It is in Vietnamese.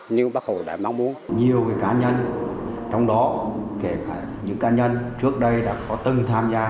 như bác hồ đã mong bố nhiều cá nhân trong đó kể cả những cá nhân trước đây đã có từng tham gia